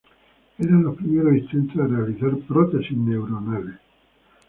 Eran los primeros intentos de realizar prótesis neuronales.